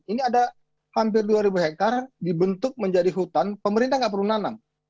ini ada hampir dua ribu hektare dibentuk menjadi hutan pemerintah nggak perlu nanam